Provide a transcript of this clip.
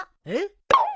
えっ？